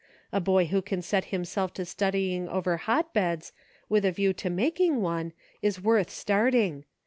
A boy who can set himself to studying over hotbeds, with a view to making one, is worth starting.